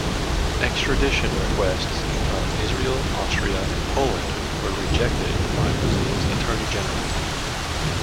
Extradition requests from Israel, Austria and Poland were rejected by Brazil's Attorney General.